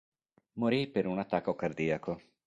Morì per un attacco cardiaco.